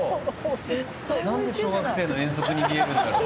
なんで小学生の遠足に見えるんだろう。